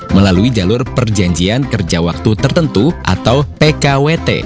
melalui jalur perjanjian kerja waktu tertentu atau pkwt